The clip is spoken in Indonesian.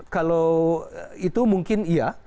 kalau itu mungkin iya